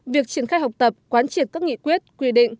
việc triển khai học tập quán triệt các nghị quyết quy định